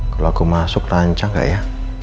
kalau aku masuk rancang gak ya